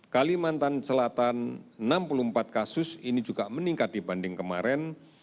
kalimantan selatan enam puluh empat kasus ini juga meningkat dibanding kemarin